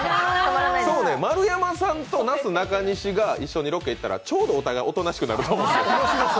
丸山さんとなすなかにしが一緒にロケに行ったらちょうどお互い、おとなしくなると思うんですよ。